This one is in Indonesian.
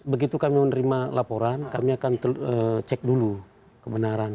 begitu kami menerima laporan kami akan cek dulu kebenaran